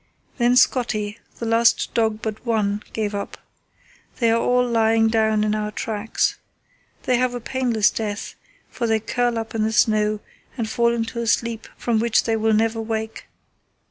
Then Scotty, the last dog but one, gave up. They are all lying down in our tracks. They have a painless death, for they curl up in the snow and fall into a sleep from which they will never wake.